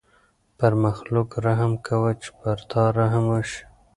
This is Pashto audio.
پر مخلوق رحم کوه چې پر تا رحم وشي.